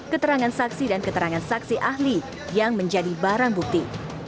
keterangan saksi dan keterangan saksi ahli yang menjadi barang bukti